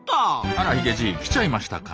あらヒゲじい来ちゃいましたか。